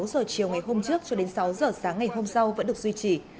tổng thống ali bongo ngày hôm trước cho đến sáu giờ sáng ngày hôm sau vẫn được duy trì